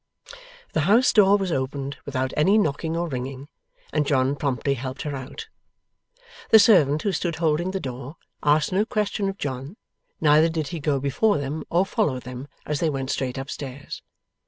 The house door was opened without any knocking or ringing, and John promptly helped her out. The servant who stood holding the door, asked no question of John, neither did he go before them or follow them as they went straight up stairs.